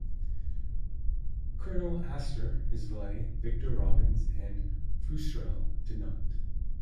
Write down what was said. Colonel Astor, his valet, Victor Robbins, and Futrelle did not.